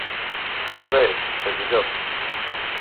Quina hora és, senyor Llop?